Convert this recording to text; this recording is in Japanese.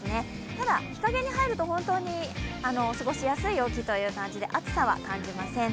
ただ、日陰に入ると本当に過ごしやすい陽気という感じで暑さは感じません。